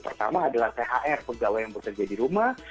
pertama adalah thr pegawai yang bekerja di rumah